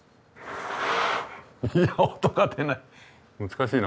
いや音が出ない。